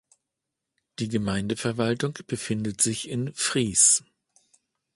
Die Gemeindeverwaltung befindet sich in Vries.